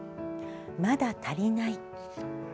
「まだたりない」。